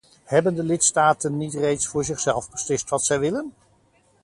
Hebben de lidstaten niet reeds voor zichzelf beslist wat zij willen?